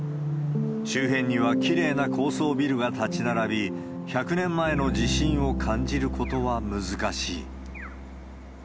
周辺にはきれいな高層ビルが立ち並び、１００年前の地震を感じることは難しい。